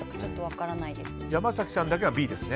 山崎さんだけはＢですね。